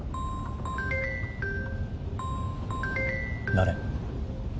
誰？